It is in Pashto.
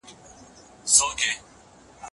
تر هغه وروسته د معرفت، اطمئنان او محبت مجلس کول.